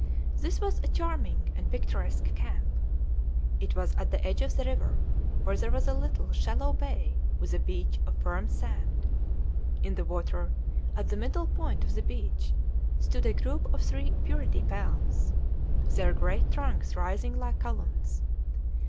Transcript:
This was a charming and picturesque camp. It was at the edge of the river, where there was a little, shallow bay with a beach of firm sand. In the water, at the middle point of the beach, stood a group of three burity palms, their great trunks rising like columns.